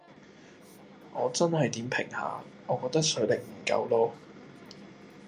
我真係點評下，我覺得水力唔夠囉